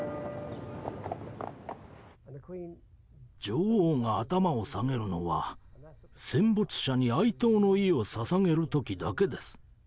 女王が頭を下げるのは戦没者に哀悼の意をささげる時だけです。